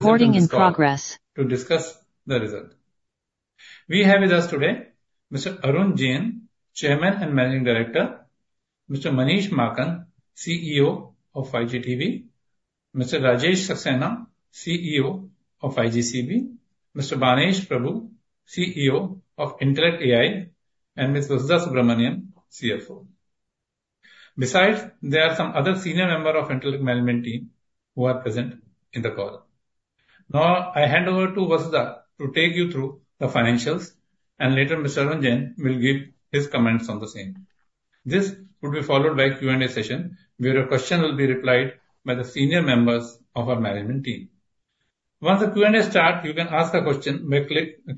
Recording in progress. To discuss the result. We have with us today Mr. Arun Jain, Chairman and Managing Director; Mr. Manish Maakan, CEO of iGTB; Mr. Rajesh Saxena, CEO of iGCB; Mr. Banesh Prabhu, CEO of Intellect AI; and Ms. Vasudha Subramaniam, CFO. Besides, there are some other senior members of Intellect management team who are present in the call. Now, I hand over to Vasudha to take you through the financials, and later Mr. Arun Jain will give his comments on the same. This would be followed by Q&A session, where your questions will be replied by the senior members of our management team. Once the Q&A starts, you can ask a question by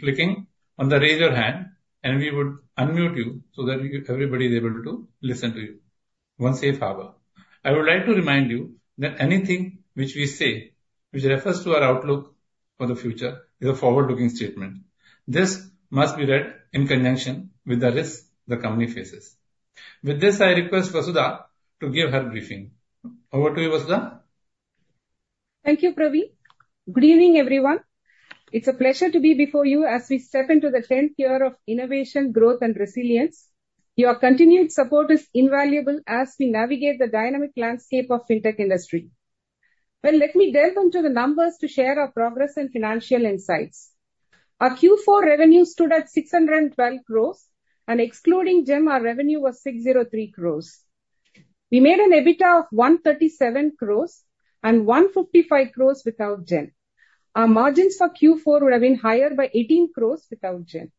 clicking on the "raise your hand," and we would unmute you so that everybody is able to listen to you. One safe harbor. I would like to remind you that anything which we say, which refers to our outlook for the future, is a forward-looking statement. This must be read in conjunction with the risks the company faces. With this, I request Vasudha to give her briefing. Over to you, Vasudha. Thank you, Praveen. Good evening, everyone. It's a pleasure to be before you as we step into the 10th year of innovation, growth, and resilience. Your continued support is invaluable as we navigate the dynamic landscape of fintech industry. Well, let me delve into the numbers to share our progress and financial insights. Our Q4 revenue stood at 612 crores, and excluding GeM, our revenue was 603 crores. We made an EBITDA of 137 crores and 155 crores without GeM. Our margins for Q4 would have been higher by 18 crores without GeM.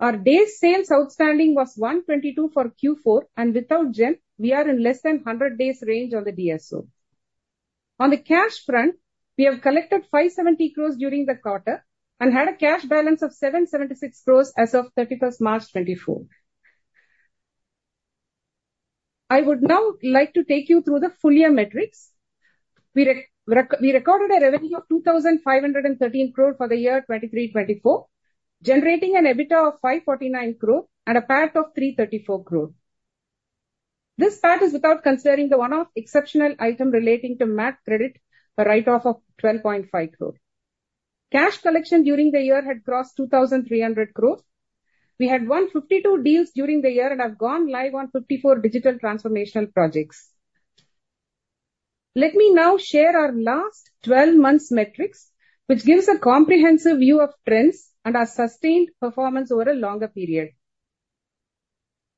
Our days sales outstanding was 122 for Q4, and without GeM, we are in less than 100 days range on the DSO. On the cash front, we have collected 570 crores during the quarter and had a cash balance of 776 crores as of 31st March 24. I would now like to take you through the full year metrics. We recorded a revenue of 2,513 crores for the year 23-24, generating an EBITDA of 549 crores and a PAT of 334 crores. This PAT is without considering the one-off exceptional item relating to MAT credit, a write-off of 12.5 crores. Cash collection during the year had crossed 2,300 crores. We had 152 deals during the year, and have gone live on 54 digital transformational projects. Let me now share our last 12 months metrics, which gives a comprehensive view of trends and our sustained performance over a longer period.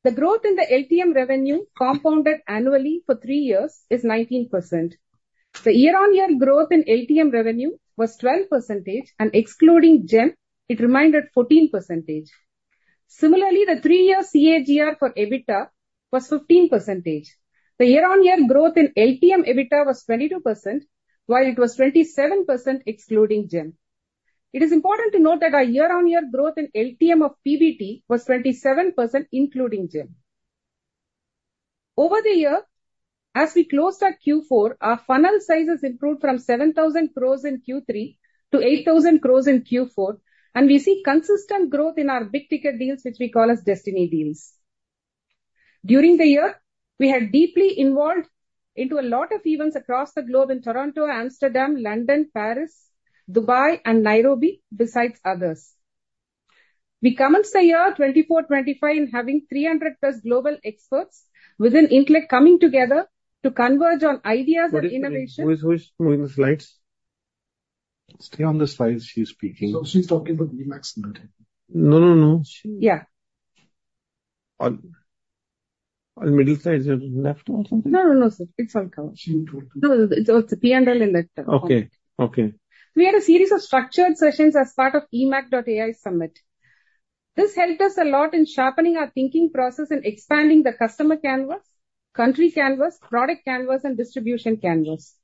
The growth in the LTM revenue compounded annually for three years is 19%. The year-on-year growth in LTM revenue was 12%, and excluding GeM, it remained 14%. Similarly, the three-year CAGR for EBITDA was 15%. The YoY growth in LTM EBITDA was 22%, while it was 27% excluding GeM. It is important to note that our YoY growth in LTM of PBT was 27%, including GeM. Over the year, as we closed our Q4, our funnel size is improved from 7,000 crores in Q3 to 8,000 crores in Q4, and we see consistent growth in our big ticket deals, which we call as Destiny Deals. During the year, we had deeply involved into a lot of events across the globe in Toronto, Amsterdam, London, Paris, Dubai, and Nairobi, besides others. We commence the year 24-25 in having 300+ global experts with Intellect coming together to converge on ideas and innovation. Who is moving the slides? Stay on the slides. She's speaking. So she's talking with eMACH? No, no, no. Yeah. On middle side, left or something? No, no, no, sir. It's all covered. No, it's P&L in left. Okay, okay. We had a series of structured sessions as part of eMACH.ai Summit. This helped us a lot in sharpening our thinking process and expanding the customer canvas, country canvas, product canvas, and distribution canvas.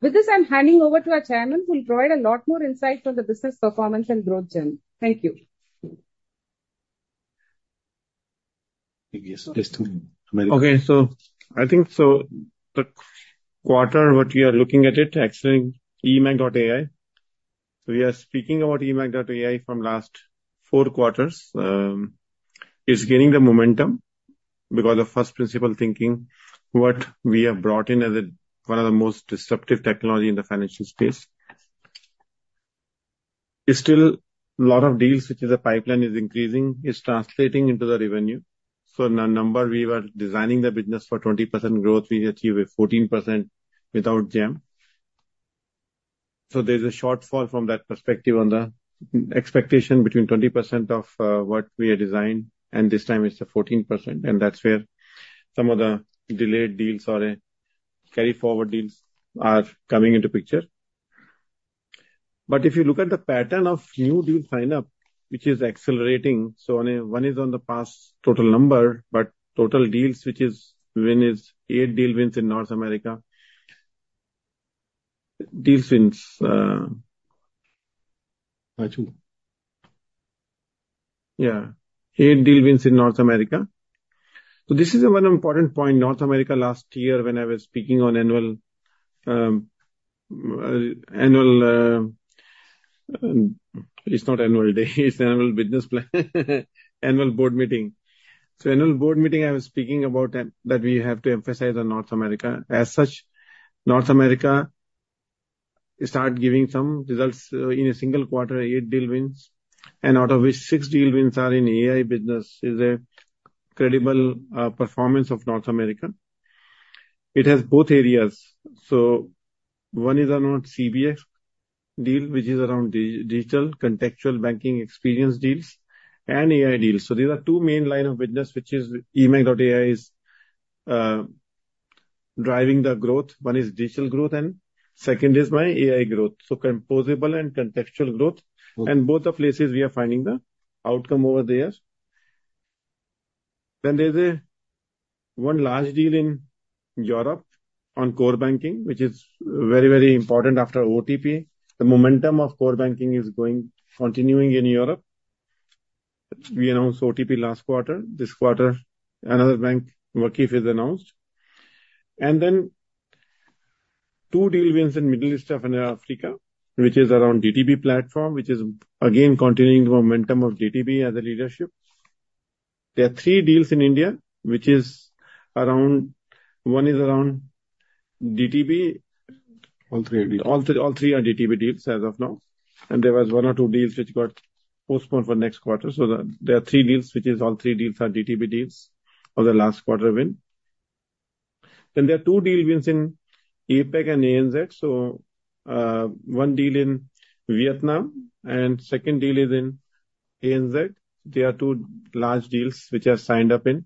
With this, I'm handing over to our chairman, who will provide a lot more insights on the business performance and growth journey. Thank you. So I think the quarter what we are looking at is actually eMACH.ai. We are speaking about eMACH.ai from last four quarters. It's gaining momentum because of first principle thinking, what we have brought in as one of the most disruptive technologies in the financial space. There are still a lot of deals, which is the pipeline is increasing, is translating into the revenue. In our number, we were designing the business for 20% growth. We achieved 14% without GeM. There's a shortfall from that perspective on the expectation between 20% of what we have designed, and this time it's 14%. That's where some of the delayed deals or carry-forward deals are coming into picture. But if you look at the pattern of new deal signup, which is accelerating, so one is on the past total number, but total deals, which is win is eight deal wins in North America. Deal wins. Eight deal wins in North America. So this is one important point. North America last year when I was speaking on annual, it's not annual day. It's annual business plan, annual board meeting. So annual board meeting, I was speaking about that we have to emphasize on North America. As such, North America started giving some results in a single quarter, eight deal wins, and out of which six deal wins are in AI business. It's a credible performance of North America. It has both areas. So one is around CBX deal, which is around digital contextual banking experience deals, and AI deals. These are two main lines of business, which is eMACH.ai is driving the growth. One is digital growth, and second is my AI growth. Composable and contextual growth. Both the places, we are finding the outcome over there. There's one large deal in Europe on core banking, which is very, very important after OTP. The momentum of core banking is continuing in Europe. We announced OTP last quarter. This quarter, another bank, VakifBank, is announced. Two deal wins in Middle East and Africa, which is around DTB platform, which is again continuing the momentum of DTB as a leadership. There are three deals in India, which is around one is around DTB. All three are DTB? All three are DTB deals as of now. There was one or two deals, which got postponed for next quarter. There are three deals, which is all three deals are DTB deals of the last quarter win. Then there are two deal wins in APAC and ANZ. One deal in Vietnam, and second deal is in ANZ. They are two large deals, which are signed up in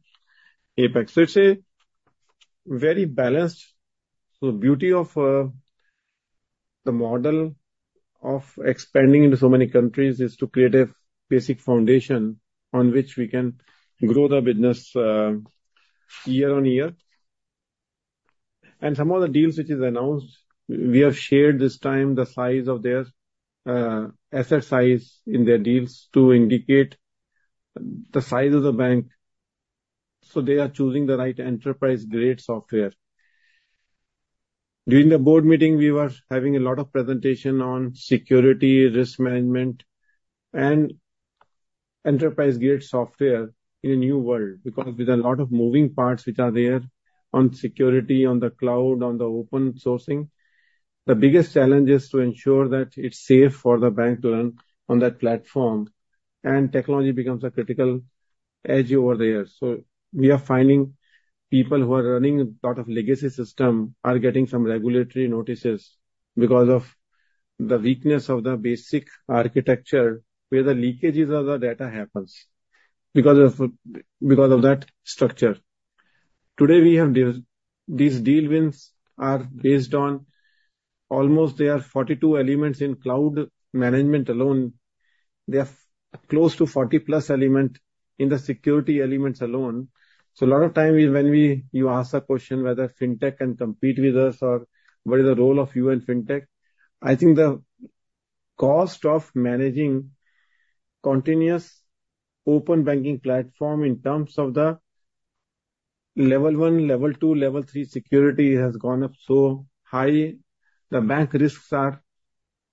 APAC. It's a very balanced beauty of the model of expanding into so many countries is to create a basic foundation on which we can grow the business year on year. Some of the deals, which is announced, we have shared this time the size of their asset size in their deals to indicate the size of the bank. They are choosing the right enterprise-grade software. During the board meeting, we were having a lot of presentations on security, risk management, and enterprise-grade software in a new world because with a lot of moving parts, which are there on security, on the cloud, on the open sourcing, the biggest challenge is to ensure that it's safe for the bank to run on that platform. Technology becomes a critical edge over there. We are finding people who are running a lot of legacy systems are getting some regulatory notices because of the weakness of the basic architecture, where the leakages of the data happen because of that structure. Today, these deal wins are based on almost 42 elements in cloud management alone. They are close to 40+ elements in the security elements alone. A lot of time when you ask a question whether fintech can compete with us or what is the role of you in fintech, I think the cost of managing continuous open banking platform in terms of the level one, level two, level three security has gone up high. The bank risks are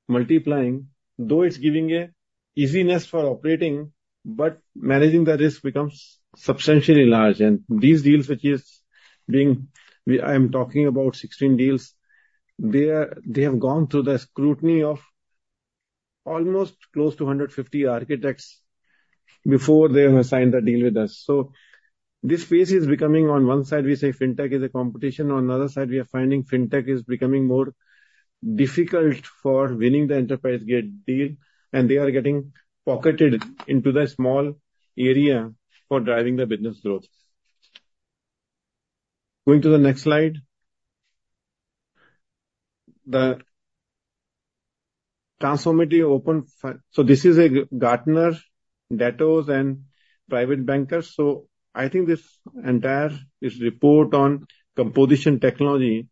multiplying. Though it's giving an easiness for operating, but managing the risk becomes substantially large. And these deals, which is being I am talking about 16 deals, they have gone through the scrutiny of almost close to 150 architects before they have signed the deal with us. This phase is becoming on one side, we say fintech is a competition. On the other side, we are finding fintech is becoming more difficult for winning the enterprise-grade deal, and they are getting pocketed into the small area for driving the business growth. Going to the next slide. The transformative open so this is Gartner, Deloitte, and private bankers. I think this entire report on composition technology,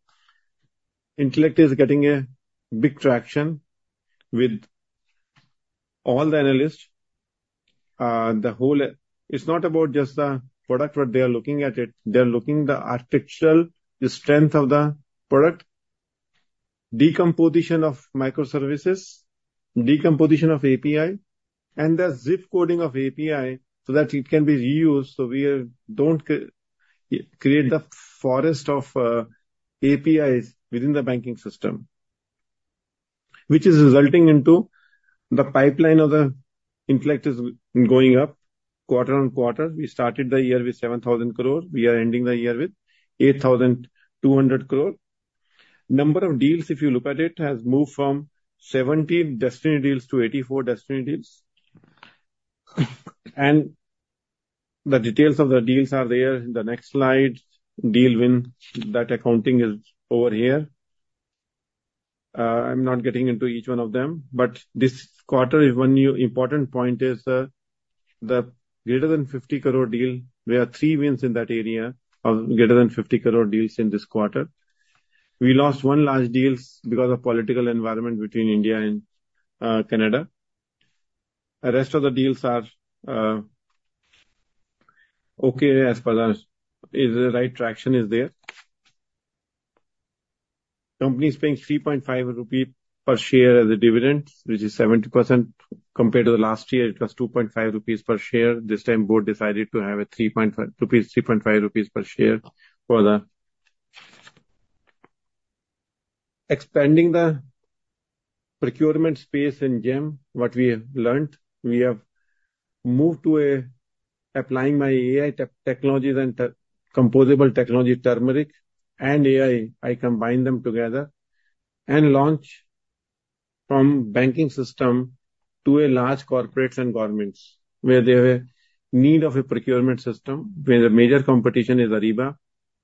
Intellect is getting big traction with all the analysts. It's not about just the product what they are looking at. They are looking at the architectural strength of the product, decomposition of microservices, decomposition of API, and the ZIP coding of API so that it can be reused so we don't create the forest of APIs within the banking system, which is resulting into the pipeline of the Intellect is going up quarter on quarter. We started the year with 7,000 crore. We are ending the year with 8,200 crore. Number of deals, if you look at it, has moved from 70 Destiny Deals to 84 Destiny Deals. The details of the deals are there in the next slide. Deal win, that accounting is over here. I'm not getting into each one of them. But this quarter, one important point is the greater than 50 crore deal. There are three wins in that area of greater than 50 crore deals in this quarter. We lost one large deal because of political environment between India and Canada. The rest of the deals are okay as per the right traction is there. Company is paying 3.5 rupee per share as a dividend, which is 70% compared to the last year. It was 2.5 rupees per share. This time, board decided to have 3.5 rupees per share for expanding the procurement space in GeM. What we have learned, we have moved to applying AI technologies and composable technology. ITurmeric and AI. I combine them together and launch from banking system to large corporates and governments where they have a need of a procurement system, where the major competition is Ariba,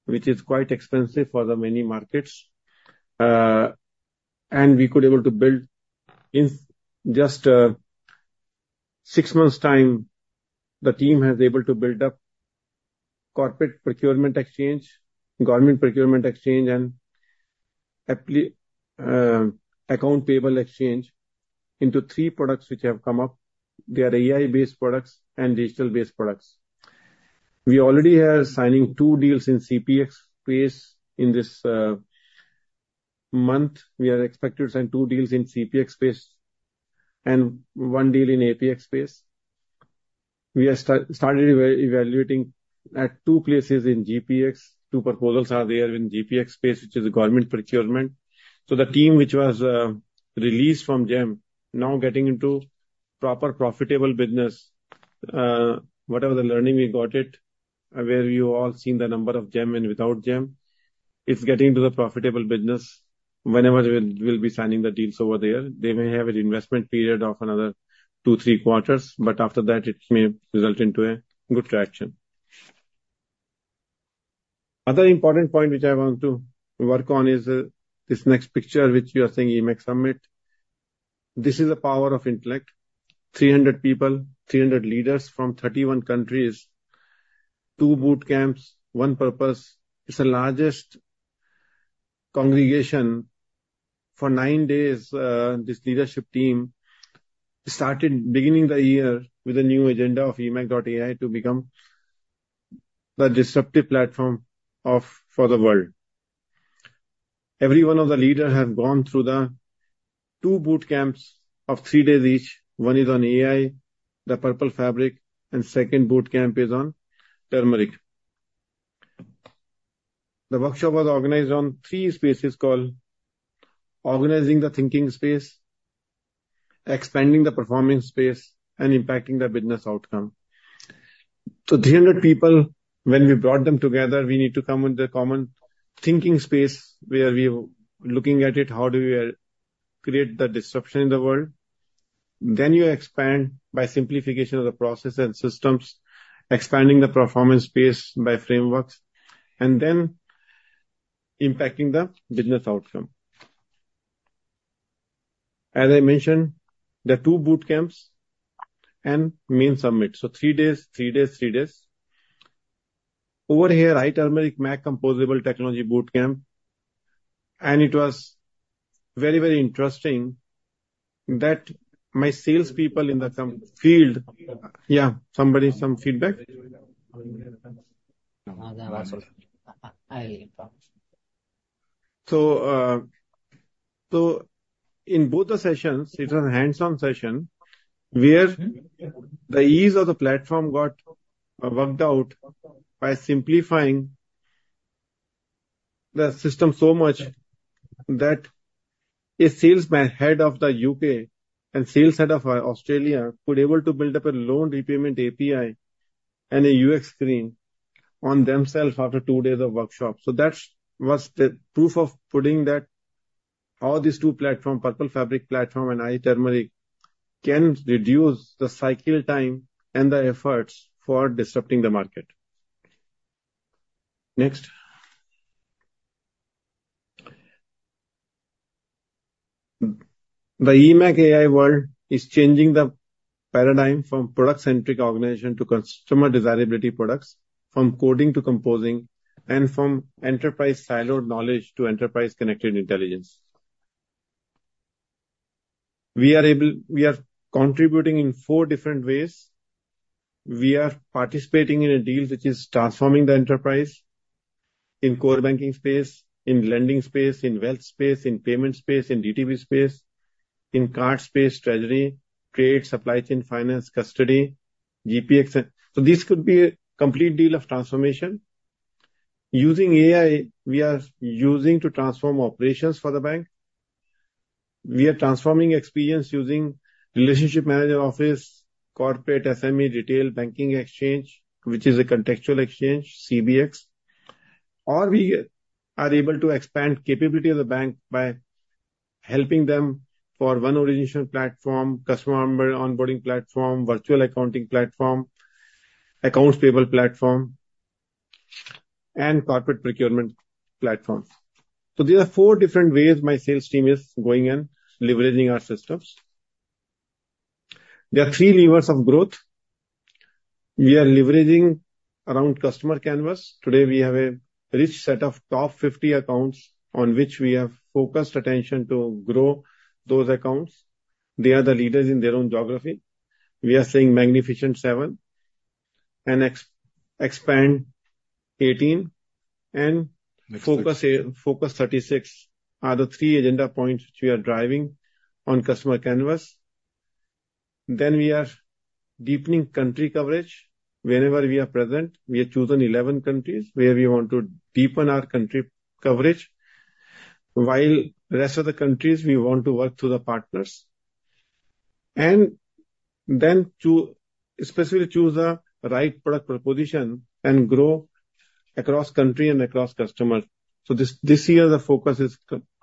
which is quite expensive for many markets. We could be able to build in just six months' time, the team has been able to build up corporate procurement exchange, government procurement exchange, and account payable exchange into three products, which have come up. They are AI-based products and digital-based products. We already are signing two deals in CPP space in this month. We are expected to sign two deals in CPP space and one deal in APX space. We have started evaluating at two places in GPP. Two proposals are there in GPP space, which is government procurement. So the team, which was released from GeM, is now getting into proper profitable business. Whatever the learning we got, where we have all seen the number of GeM and without GeM, it's getting into the profitable business. Whenever we will be signing the deals over there, they may have an investment period of another two, three quarters, but after that, it may result into good traction. Other important point, which I want to work on, is this next picture, which you are seeing, eMACH.ai Summit. This is the power of Intellect: 300 people, 300 leaders from 31 countries, two boot camps, one purpose. It's the largest congregation. For nine days, this leadership team started beginning the year with a new agenda of eMACH.ai to become the disruptive platform for the world. Every one of the leaders has gone through the two boot camps of three days each. One is on AI, the Purple Fabric, and the second boot camp is on iTurmeric. The workshop was organized on three spaces called organizing the thinking space, expanding the performing space, and impacting the business outcome. So 300 people, when we brought them together, we need to come with the common thinking space where we are looking at it, how do we create the disruption in the world. Then you expand by simplification of the process and systems, expanding the performance space by frameworks, and then impacting the business outcome. As I mentioned, the two boot camps and main summit. Three days, three days, three days. Over here, iTurmeric MACH Composable Technology Boot Camp. It was very, very interesting that my salespeople in the field. Somebody some feedback? In both the sessions, it was a hands-on session where the ease of the platform got worked out by simplifying the system so much that a sales head of the UK and sales head of Australia could be able to build up a loan repayment API and a UX screen on themselves after two days of workshop. That was proof of putting that how these two platforms, Purple Fabric platform and iTurmeric, can reduce the cycle time and the efforts for disrupting the market. The eMACH.ai world is changing the paradigm from product-centric organization to consumer desirability products, from coding to composing, and from enterprise siloed knowledge to enterprise-connected intelligence. We are contributing in four different ways. We are participating in a deal which is transforming the enterprise in core banking space, in lending space, in wealth space, in payment space, in DTB space, in card space, treasury, trade, supply chain finance, custody, GPP. This could be a complete deal of transformation. Using AI, we are using to transform operations for the bank. We are transforming experience using relationship manager office, corporate SME, retail banking exchange, which is a contextual exchange, CBX. We are able to expand the capability of the bank by helping them for one organization platform, customer onboarding platform, virtual accounting platform, accounts payable platform, and corporate procurement platforms. These are four different ways my sales team is going and leveraging our systems. There are three levers of growth we are leveraging around customer canvas. Today, we have a rich set of top 50 accounts on which we have focused attention to grow those accounts. They are the leaders in their own geography. We are saying Magnificent Seven and Expand 18 and Focus 36 are the three agenda points which we are driving on customer canvas. We are deepening country coverage. Whenever we are present, we have chosen 11 countries where we want to deepen our country coverage. While the rest of the countries, we want to work through the partners. We specifically choose the right product proposition and grow across country and across customer. This year, the focus is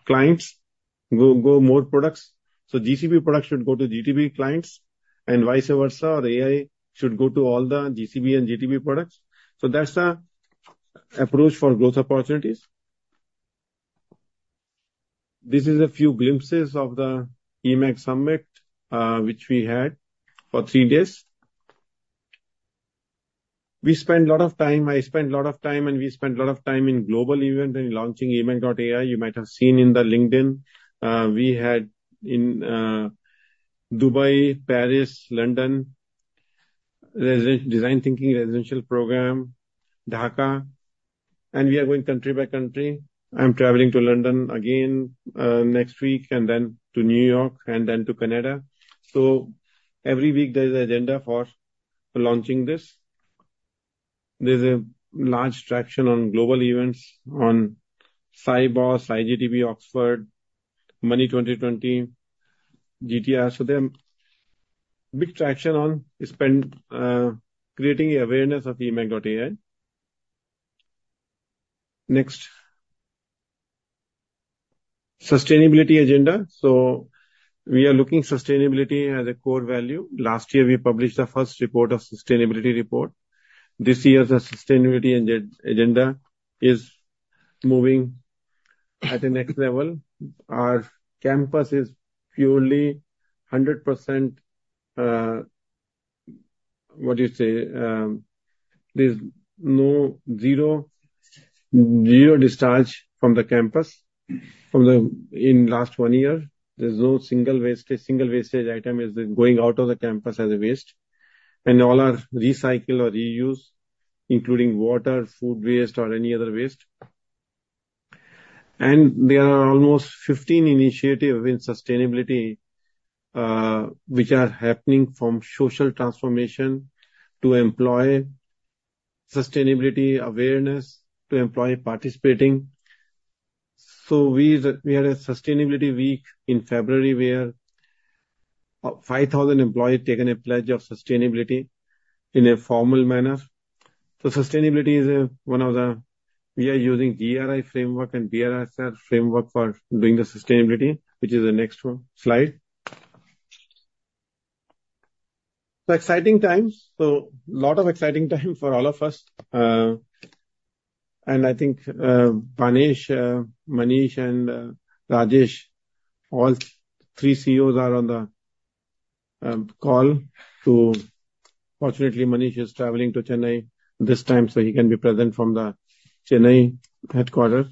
clients go more products. GCB products should go to GTB clients and vice versa, or AI should go to all the GCB and GTB products. That's the approach for growth opportunities. This is a few glimpses of the eMACH.ai Summit, which we had for three days. We spent a lot of time. I spent a lot of time, and we spent a lot of time in global events and launching eMACH.ai. You might have seen in the LinkedIn. We had in Dubai, Paris, London, Design Thinking Residential Program, Dhaka. We are going country by country. I'm traveling to London again next week and then to New York and then to Canada. Every week, there's an agenda for launching this. There's a large traction on global events on Sibos, iGTB Oxford, Money 20/20, GTR. There's big traction on creating awareness of eMACH.ai. Next. Sustainability agenda. We are looking at sustainability as a core value. Last year, we published the first report of sustainability report. This year, the sustainability agenda is moving at the next level. Our campus is purely 100% what do you say? There's no zero discharge from the campus in the last one year. There's no single wastage. Single wastage item is going out of the campus as a waste. All are recycled or reused, including water, food waste, or any other waste. There are almost 15 initiatives in sustainability which are happening from social transformation to employee sustainability awareness to employee participating. We had a sustainability week in February where 5,000 employees took a pledge of sustainability in a formal manner. Sustainability is one of the we are using GRI framework and BRSR framework for doing the sustainability, which is the next slide. Exciting times. A lot of exciting time for all of us. I think Banesh, Manish, and Rajesh, all three CEOs are on the call. Fortunately, Manish is traveling to Chennai this time, so he can be present from the Chennai headquarters.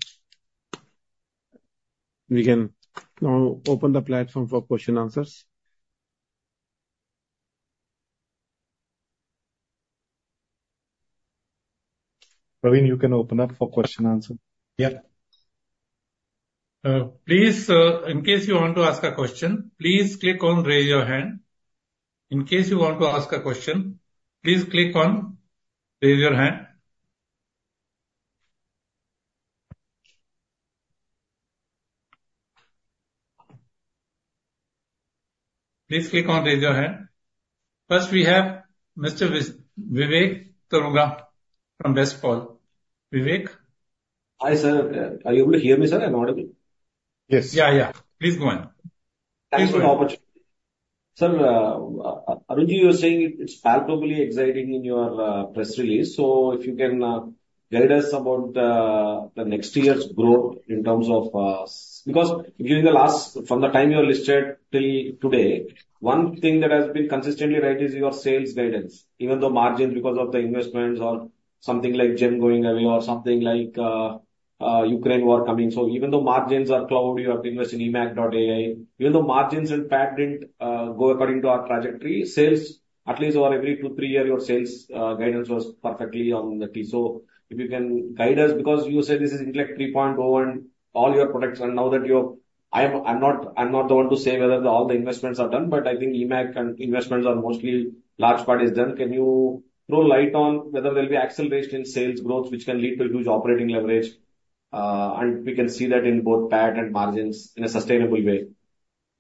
We can now open the platform for questions and answers. Praveen, you can open up for question and answer. Yeah. Please, in case you want to ask a question, please click on raise your hand. In case you want to ask a question, please click on raise your hand. Please click on raise your hand. First, we have Mr. Vivek Taurani from WestBridge. Vivek. Hi, sir. Are you able to hear me, sir? Am I audible? Yes. Please go ahead. Thanks for the opportunity. Sir, Arun Jain, you were saying it's palpably exciting in your press release. So if you can guide us about the next year's growth in terms of because during the last from the time you were listed till today, one thing that has been consistently right is your sales guidance. Even though margins because of the investments or something like GeM going away or something like Ukraine war coming. So even though margins are clouded, you have invested in eMACH.ai. Even though margins and PAT didn't go according to our trajectory, sales at least over every two, three years, your sales guidance was perfectly on the tee. If you can guide us because you said this is Intellect 3.0 and all your products, and now that you have I'm not the one to say whether all the investments are done, but I think eMACH.ai and investments are mostly large part is done. Can you throw a light on whether there will be acceleration in sales growth which can lead to huge operating leverage? And we can see that in both PAT and margins in a sustainable way.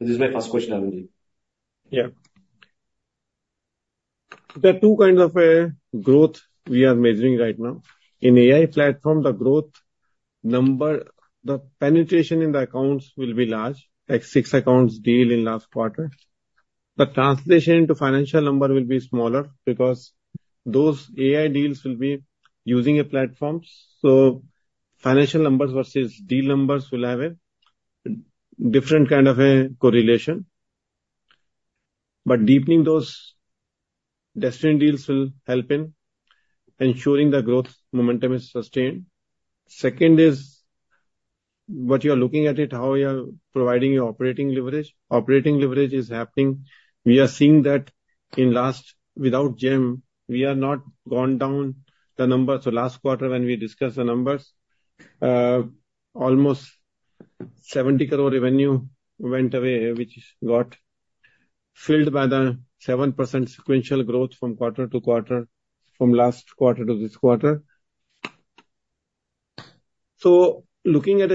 This is my first question, Arun Jain. Yeah. There are two kinds of growth we are measuring right now. In AI platform, the growth number, the penetration in the accounts will be large, like six accounts deal in last quarter. The translation into financial number will be smaller because those AI deals will be using a platform. So financial numbers versus deal numbers will have a different kind of correlation. But deepening those existing deals will help in ensuring the growth momentum is sustained. Second is what you are looking at, how you are providing your operating leverage. Operating leverage is happening. We are seeing that in last quarter without GeM, we have not gone down the number. So last quarter, when we discussed the numbers, almost 70 crore revenue went away, which got filled by the 7% sequential growth from quarter to quarter, from last quarter to this quarter. Looking at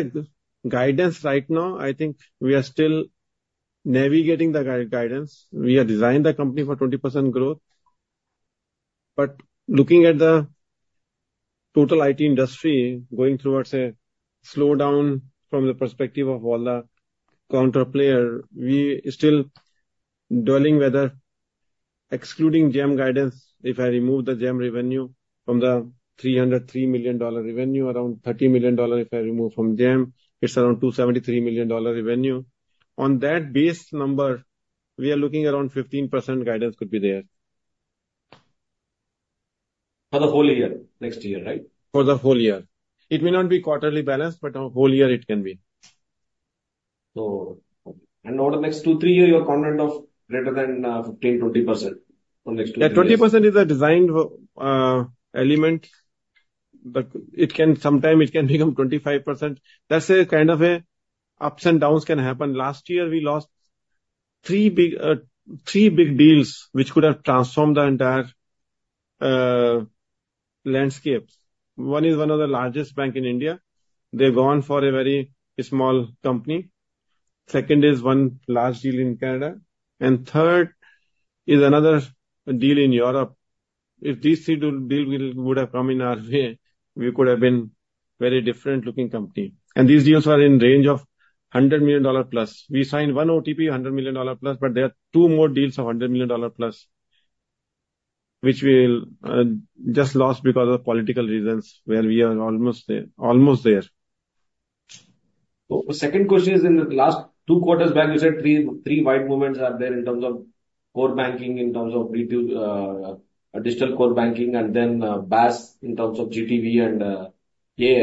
guidance right now, I think we are still navigating the guidance. We have designed the company for 20% growth. But looking at the total IT industry going towards a slowdown from the perspective of all the counterplayers, we are still dwelling whether, excluding GeM guidance, if I remove the GeM revenue from the $303 million revenue, around $30 million if I remove from GeM, it's around $273 million revenue. On that base number, we are looking around 15% guidance could be there. For the whole year, next year, right? For the whole year. It may not be quarterly balanced, but whole year it can be. Over the next two, three years, are you confident of greater than 15%, 20%? Yeah, 20% is a designed element. Sometimes it can become 25%. That's a kind of ups and downs can happen. Last year, we lost three big deals which could have transformed the entire landscape. One is one of the largest banks in India. They've gone for a very small company. Second is one large deal in Canada. Third is another deal in Europe. If these three deals would have come in our way, we could have been a very different-looking company. These deals are in the range of $100 million+. We signed one OTP, $100 million+, but there are two more deals of $100 million+ which we just lost because of political reasons where we are almost there. The second question is in the last two quarters back, you said three wide movements are there in terms of core banking, in terms of digital core banking, and then BaaS in terms of GTB and AI.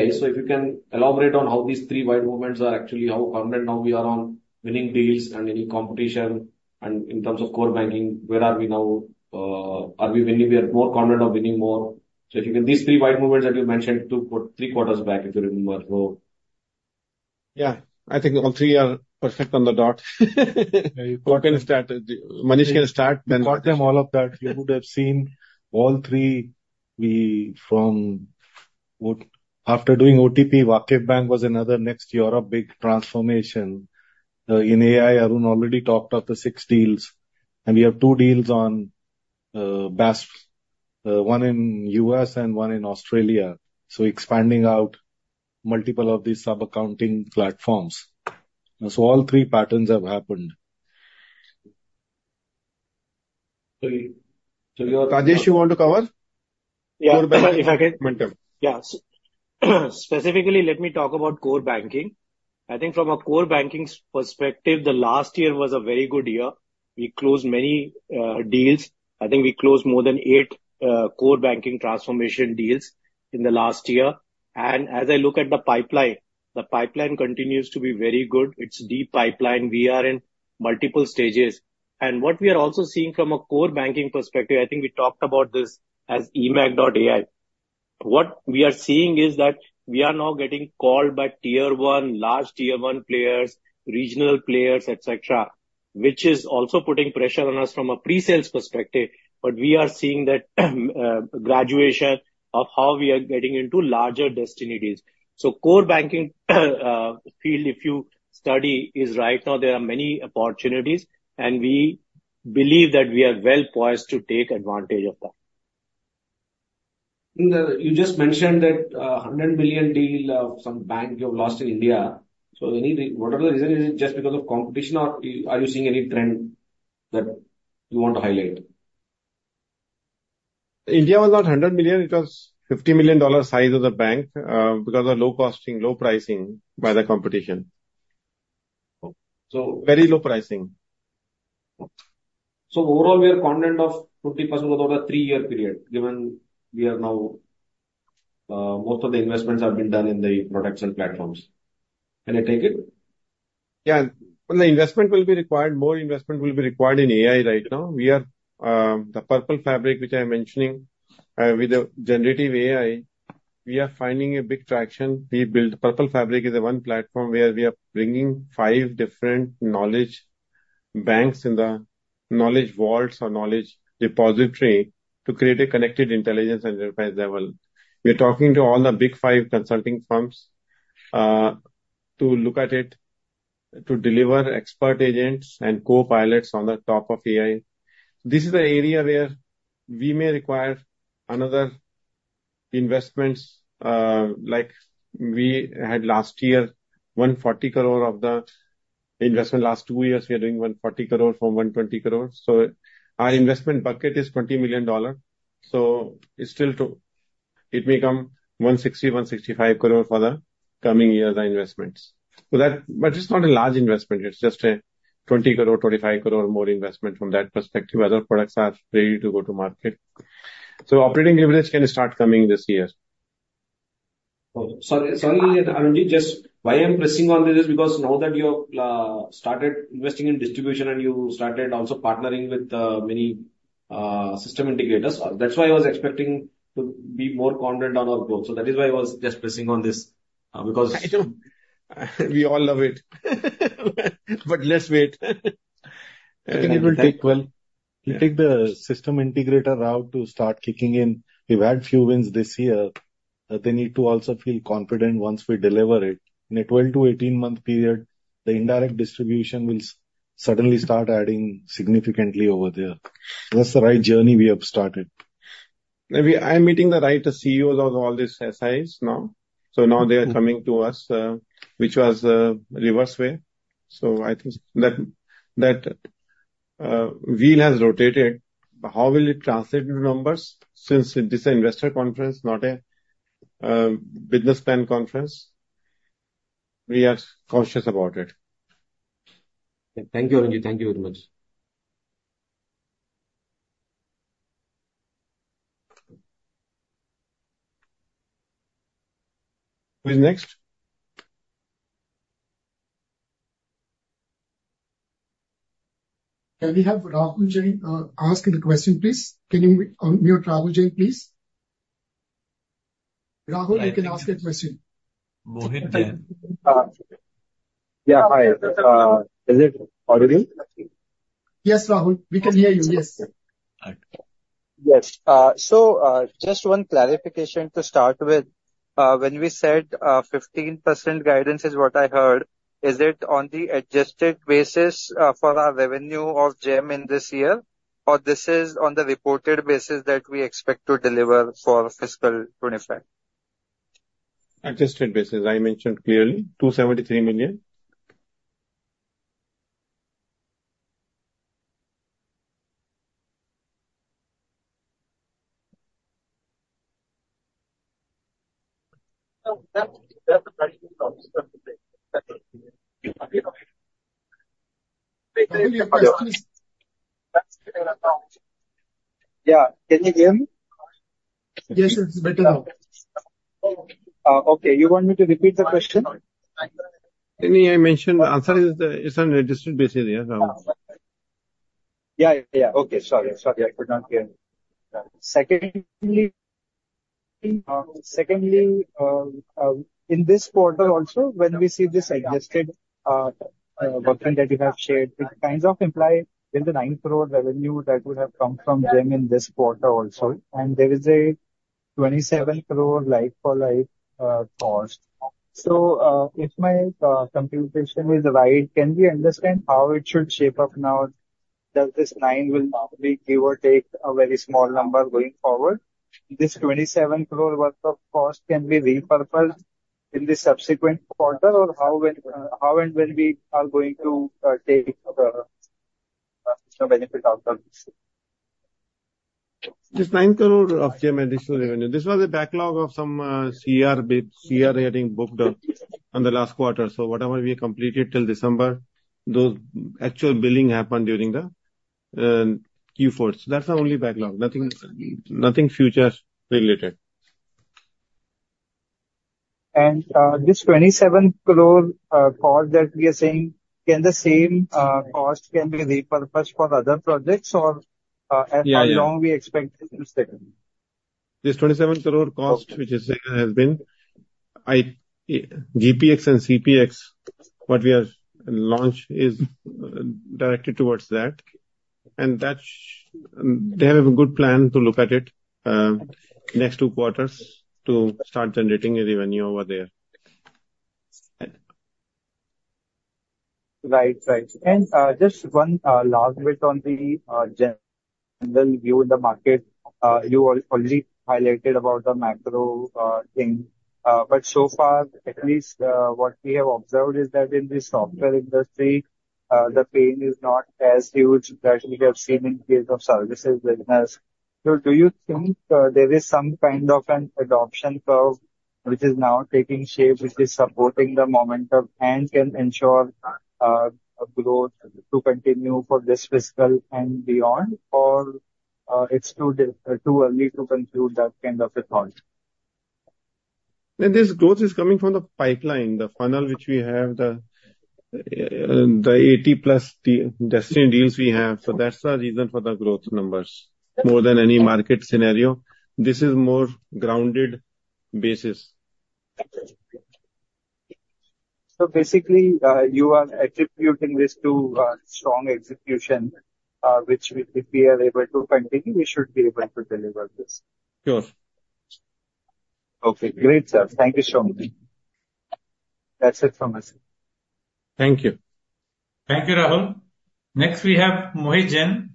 If you can elaborate on how these three wide movements are actually how confident now we are on winning deals and any competition and in terms of core banking, where are we now? Are we winning? We are more confident of winning more. If you can these three wide movements that you mentioned two or three quarters back, if you remember. Yeah, I think all three are perfect on the dot. You can start. Manish can start, then. Across all of that, you would have seen all three from after doing OTP. VakifBank was another next Europe big transformation. In AI, Arun already talked of the six deals. We have two deals on BaaS, one in the U.S. and one in Australia. So expanding out multiple of these sub-accounting platforms. All three patterns have happened. Rajesh, you want to cover? Yeah. If I can. Specifically, let me talk about core banking. I think from a core banking perspective, the last year was a very good year. We closed many deals. I think we closed more than eight core banking transformation deals in the last year. As I look at the pipeline, the pipeline continues to be very good. It's a deep pipeline. We are in multiple stages. What we are also seeing from a core banking perspective, I think we talked about this as eMACH.ai. What we are seeing is that we are now getting called by tier one, large tier one players, regional players, etc., which is also putting pressure on us from a pre-sales perspective. We are seeing that graduation of how we are getting into larger densities. The core banking field, if you study, is right now, there are many opportunities. We believe that we are well poised to take advantage of that. You just mentioned that $100 million deal of some bank you have lost in India. So whatever the reason, is it just because of competition, or are you seeing any trend that you want to highlight? India was not $100 million. It was $50 million size of the bank because of low costing, low pricing by the competition. So very low pricing. Overall, we are content of 20% over the three-year period given we are now most of the investments have been done in the products and platforms. Can I take it? The investment will be required. More investment will be required in AI right now. The Purple Fabric, which I am mentioning, with the generative AI, we are finding big traction. Purple Fabric is the one platform where we are bringing five different knowledge banks in the knowledge vaults or knowledge depository to create connected intelligence at enterprise level. We are talking to all the big five consulting firms to look at it, to deliver expert agents and co-pilots on top of AI. This is an area where we may require another investment. Like we had last year, 140 crore of investment in the last two years, we are doing 140 crore from 120 crore. So our investment bucket is $20 million. So it may come to 160, 165 crore for the coming years, the investments. But it's not a large investment. It's just a 20 crore, 25 crore more investment from that perspective. Other products are ready to go to market. Operating leverage can start coming this year. Sorry, Arun Jain, just why I am pressing on this is because now that you have started investing in distribution and you started also partnering with many system integrators, that's why I was expecting to be more confident on our growth. So that is why I was just pressing on this. We all love it. But let's wait. I think it will take well. We take the system integrator route to start kicking in. We've had few wins this year. They need to also feel confident once we deliver it. In a 12 to 18-month period, the indirect distribution will suddenly start adding significantly over there. That's the right journey we have started. Maybe I am meeting the right CEOs of all these SIs now. So now they are coming to us, which was the reverse way. So I think that wheel has rotated. How will it translate into numbers? Since this is an investor conference, not a business plan conference, we are conscious about it. Thank you, Arun Jain. Thank you very much. Who is next? Can we have Rahul Jain ask the question, please? Can you mute Rahul Jain, please? Rahul, you can ask a question. Yeah, hi. Is it audible? Yes, Rahul. We can hear you. Yes. Yes. Just one clarification to start with. When we said 15% guidance is what I heard, is it on the Adjusted basis for our revenue of GeM in this year, or is this on the reported basis that we expect to deliver for fiscal 25? Adjusted basis. I mentioned clearly $273 million. Yeah. Can you hear me? Yes, it's better now. Okay. You want me to repeat the question? I mentioned the answer is on Adjusted basis, yes, Rahul. Okay. Sorry, I could not hear. Secondly, in this quarter also, when we see this adjusted working that you have shared, it kind of implies the 9 crore revenue that would have come from GeM in this quarter also. There is a 27 crore life-for-life cost. So if my computation is right, can we understand how it should shape up now? Does this 9 crore will normally give or take a very small number going forward? This 27 crore worth of cost can be repurposed in the subsequent quarter, or how and when are we going to take the benefit out of this? This 9 crore of GeM additional revenue, this was a backlog of some CR getting booked in the last quarter. So whatever we completed till December, those actual billing happened during Q4. So that's the only backlog. Nothing future related. And this 27 crore cost that we are saying, can the same cost be repurposed for other projects, or how long do we expect it to stay? This 27 crore cost, which has been, GPP and CPX, what we have launched is directed towards that. They have a good plan to look at it next two quarters to start generating revenue over there. Right, right. Just one last bit on the general view in the market. You already highlighted about the macro thing. But so far, at least what we have observed is that in the software industry, the pain is not as huge that we have seen in the case of services business. So do you think there is some kind of an adoption curve which is now taking shape, which is supporting the momentum and can ensure growth to continue for this fiscal and beyond, or it's too early to conclude that kind of a thought? This growth is coming from the pipeline, the funnel which we have, the 80+ Destiny Deals we have. So that's the reason for the growth numbers more than any market scenario. This is more grounded basis. Basically, you are attributing this to strong execution, which if we are able to continue, we should be able to deliver this. Sure. Okay. Great, sir. Thank you so much. That's it from us. Thank you. Thank you, Rahul. Next, we have Mohit Jain.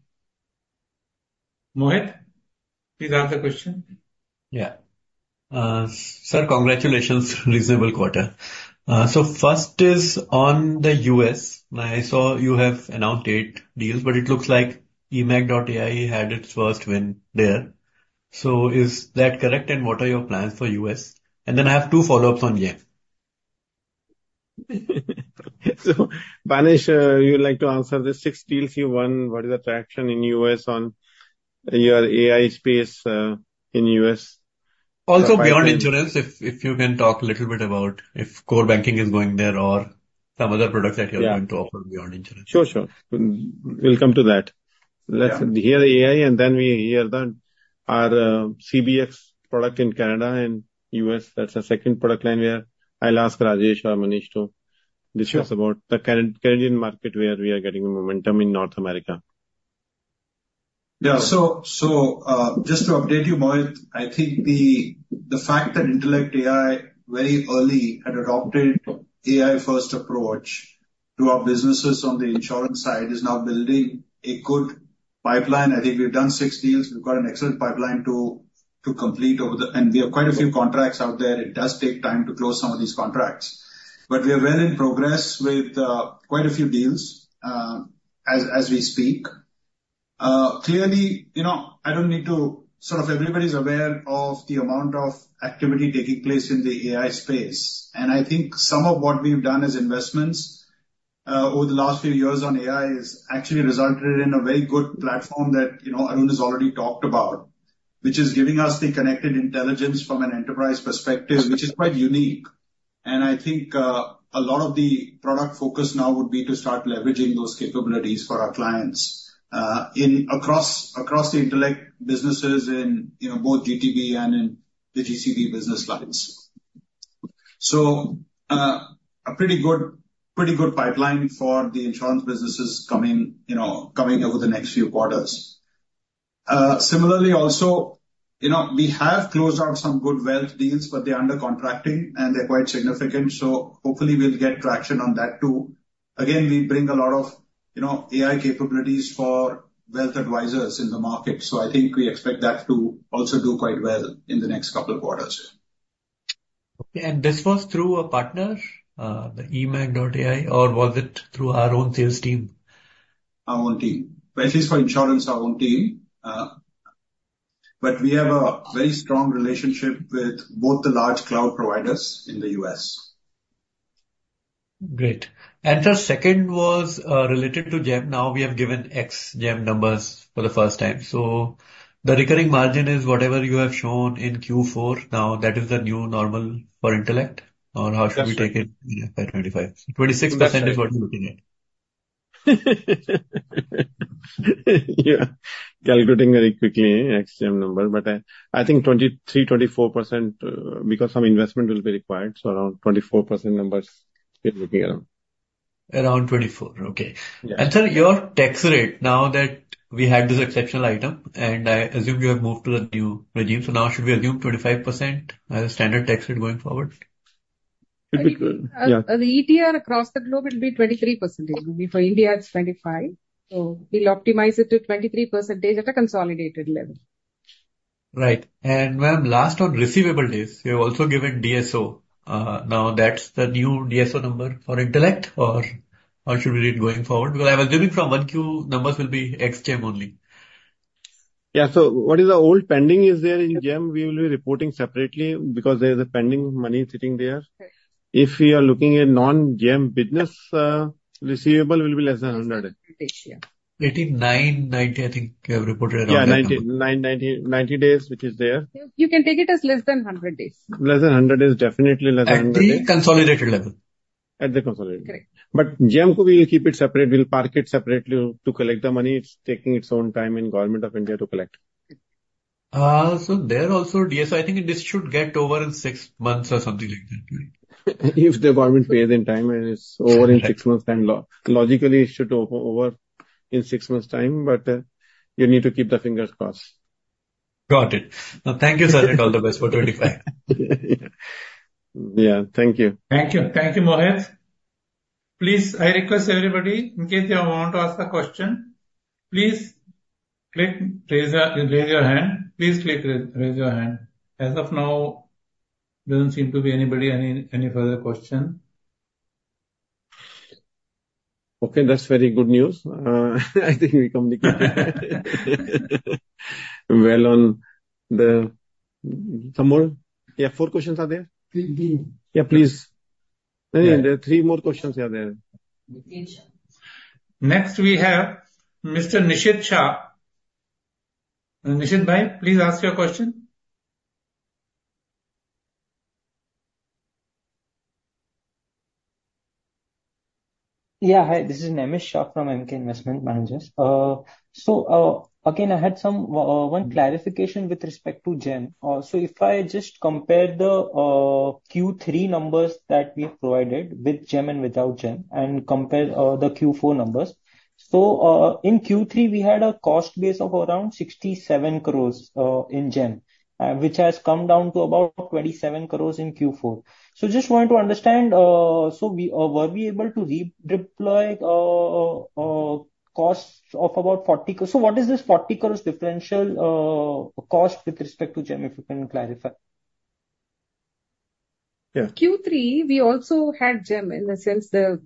Mohit, please ask the question. Yeah. Sir, congratulations, reasonable quarter. So first is on the US. I saw you have announced eight deals, but it looks like eMACH.ai had its first win there. So is that correct, and what are your plans for US? And then I have two follow-ups on Gen. Banesh, you would like to answer the six deals you won. What is the traction in the US on your AI space in the US? Also beyond insurance, if you can talk a little bit about if core banking is going there or some other products that you are going to offer beyond insurance. Sure, sure. We'll come to that. Let's hear the AI, and then we hear our CBX product in Canada and US. That's a second product line where I'll ask Rajesh or Manish to discuss about the Canadian market where we are getting momentum in North America. So just to update you, Mohit, I think the fact that Intellect AI very early had adopted an AI-first approach to our business on the insurance side is now building a good pipeline. I think we've done six deals. We've got an excellent pipeline to complete over the next quarter, and we have quite a few contracts out there. It does take time to close some of these contracts. But we are well in progress with quite a few deals as we speak. Clearly, I don't need to sort of remind everyone that everybody's aware of the amount of activity taking place in the AI space. I think some of what we've done as investments over the last few years on AI has actually resulted in a very good platform that Arun has already talked about, which is giving us the connected intelligence from an enterprise perspective, which is quite unique. I think a lot of the product focus now would be to start leveraging those capabilities for our clients across the intellect businesses in both GTB and in the GCB business lines. So a pretty good pipeline for the insurance businesses coming over the next few quarters. Similarly, also, we have closed out some good wealth deals, but they're under contracting, and they're quite significant. So hopefully, we'll get traction on that too. Again, we bring a lot of AI capabilities for wealth advisors in the market. I think we expect that to also do quite well in the next couple of quarters. Okay. And this was through a partner, the eMACH.ai, or was it through our own sales team? Our own team. At least for insurance, our own team. But we have a very strong relationship with both the large cloud providers in the U.S. Great. And the second was related to GeM. Now, we have given ex-GeM numbers for the first time. So the recurring margin is whatever you have shown in Q4. Now, that is the new normal for Intellect, or how should we take it by 25? 26% is what you're looking at. Yeah. Calculating very quickly, ex-GeM number. But I think 23%, 24% because some investment will be required. So around 24% numbers we're looking around. Around 24%. And sir, your tax rate, now that we had this exceptional item, and I assume you have moved to the new regime, so now should we assume 25% as a standard tax rate going forward? Should be good. Yeah. The ETR across the globe will be 23%. Maybe for India, it's 25%. So we'll optimize it to 23% at a consolidated level. Right. And ma'am, last on receivable days, you have also given DSO. Now, that's the new DSO number for Intellect, or how should we read it going forward? Because I was assuming from Q1, numbers will be ex-GeM only. Yeah. So what is the old pending is there in GeM, we will be reporting separately because there is a pending money sitting there. If we are looking at non-GeM business, receivable will be less than $100. 80, yeah. 89, 90, I think you have reported around there. Yeah, 90 days, which is there. You can take it as less than 100 days. Less than 100 days, definitely less than 100 days. At the consolidated level? At the consolidated level. But GeM, we will keep it separate. We'll park it separately to collect the money. It's taking its own time in the Government of India to collect. They are also DSO. I think this should get over in six months or something like that. If the government pays in time and it's over in six months, then logically, it should be over in six months' time. But you need to keep your fingers crossed. Got it. Thank you, sir. All the best for 2025. Yeah. Thank you. Thank you. Thank you, Mohit. Please, I request everybody, in case you want to ask a question, please raise your hand. Please raise your hand. As of now, it doesn't seem to be anybody, any further question. Okay. That's very good news. I think we communicated well on some more. Yeah, four questions are there. Three, please. Yes, please. There are three more questions that are there. Next, we have Mr. Nemish Shah. Nemish, please ask your question. Yeah, hi. This is Nemish Shah from Emkay Investment Managers. Again, I had one clarification with respect to GeM. If I just compare the Q3 numbers that we have provided with GeM and without GeM, and compare the Q4 numbers, in Q3, we had a cost base of around 67 crores in GeM, which has come down to about 27 crores in Q4. Just wanted to understand, were we able to deploy costs of about 40 crores? What is this 40 crores differential cost with respect to GeM? If you can clarify. Yeah. Q3, we also had GeM in the sense that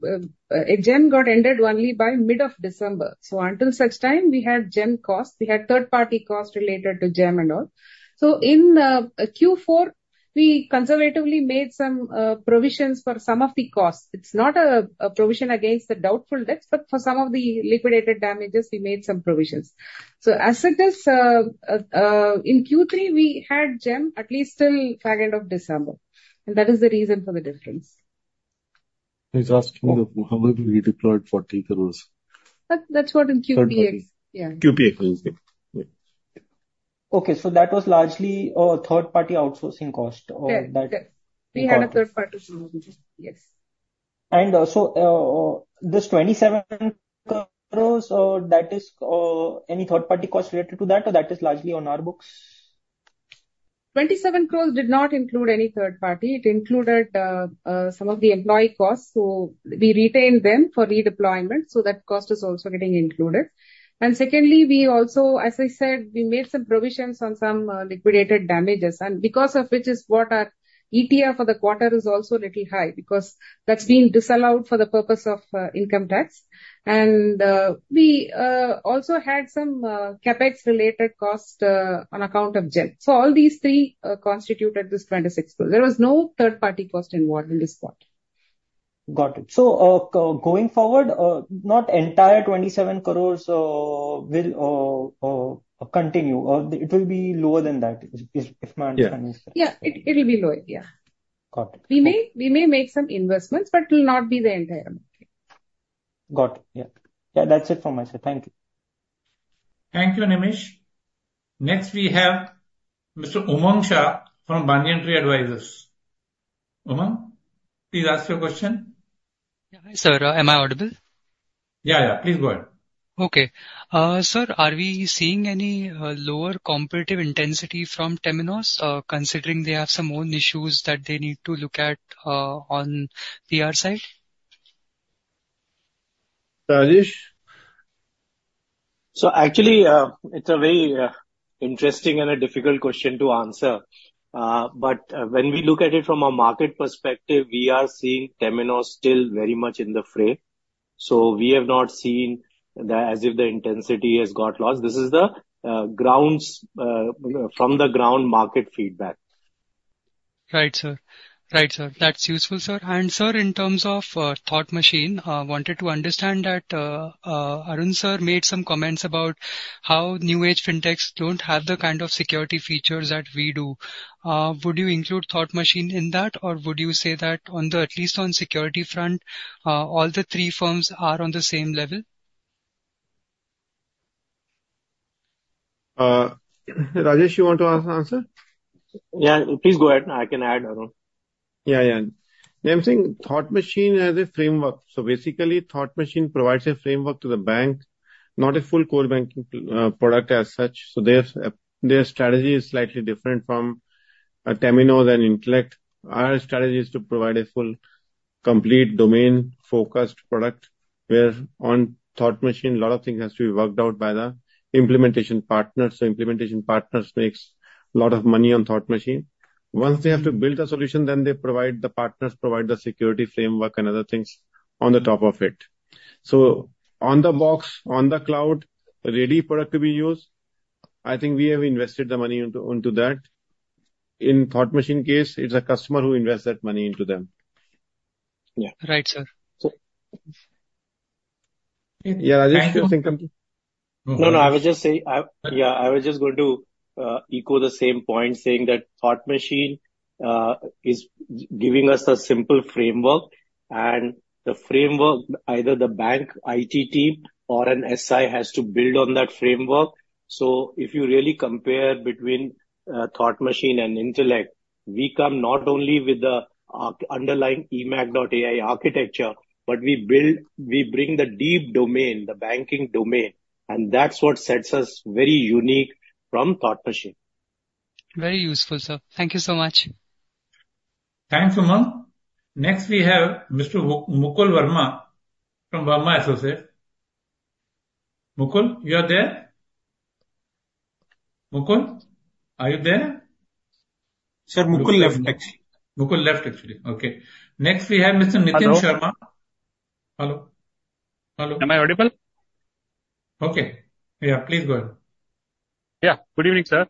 GeM got ended only by mid of December. So until such time, we had GeM costs. We had third-party costs related to GeM and all. In Q4, we conservatively made some provisions for some of the costs. It's not a provision against the doubtful debts, but for some of the liquidated damages, we made some provisions. As it is in Q3, we had GeM at least till December 5th. That is the reason for the difference. He's asking however we deployed 40 crores. That's what in CPX. CPX, I think. Yeah. That was largely third-party outsourcing cost. Yes. We had a third-party source. Yes. And so this 27 crores, is that any third-party cost related to that, or is that largely on our books? 27 crores did not include any third party. It included some of the employee costs. We retained them for redeployment. That cost is also getting included. Secondly, we also, as I said, we made some provisions on some liquidated damages, and because of which our ETR for the quarter is also a little high because that's been disallowed for the purpose of income tax. We also had some CapEx-related costs on account of GeM. All these three constituted this 26 crores. There was no third-party cost involved in this quarter. Got it. Going forward, not the entire 27 crores will continue. It will be lower than that, if my understanding is correct. Yeah. It will be lower. Yeah. Got it. We may make some investments, but it will not be the entire amount. Got it. Yeah. Yeah. That's it from my side. Thank you. Thank you, Nemish. Next, we have Mr. Umang Shah from Banyan Tree Advisors. Umang, please ask your question. Hi, sir. Am I audible? Yeah, yeah. Please go ahead. Okay. Sir, are we seeing any lower competitive intensity from Temenos, considering they have some own issues that they need to look at on the PR side? Rajesh? Actually, it's a very interesting and difficult question to answer. But when we look at it from a market perspective, we are seeing Temenos still very much in the fray. We have not seen as if the intensity has got lost. This is from the ground market feedback. Right, sir. Right, sir. That's useful, sir. In terms of Thought Machine, I wanted to understand that Arun sir made some comments about how new-age fintechs don't have the kind of security features that we do. Would you include Thought Machine in that, or would you say that at least on the security front, all the three firms are on the same level? Rajesh, you want to answer? Yeah, please go ahead. I can add, Arun. I'm saying Thought Machine has a framework. So basically, Thought Machine provides a framework to the bank, not a full core banking product as such. So their strategy is slightly different from Temenos and Intellect. Our strategy is to provide a full, complete, domain-focused product where on Thought Machine, a lot of things have to be worked out by the implementation partners. So implementation partners make a lot of money on Thought Machine. Once they have to build a solution, then the partners provide the security framework and other things on the top of it. So on the box, on the cloud, ready product to be used, I think we have invested the money into that. In Thought Machine case, it's a customer who invests that money into them. Right, sir. Yeah, Rajesh, you want to say something? No, no. I was just saying yeah, I was just going to echo the same point saying that Thought Machine is giving us a simple framework. The framework, either the bank IT team or an SI has to build on that framework. So if you really compare between Thought Machine and Intellect, we come not only with the underlying eMACH.ai architecture, but we bring the deep domain, the banking domain. That's what sets us very unique from Thought Machine. Very useful, sir. Thank you so much. Thanks, Umang. Next, we have Mr. Mukul Varma from Varma Associates. Mukul, you are there? Mukul, are you there? Sir, Mukul left, actually. Mukul left, actually. Okay. Next, we have Mr. Nitin Sharma. Hello. Hello. Hello. Am I audible? Okay. Yeah, please go ahead. Good evening, sir.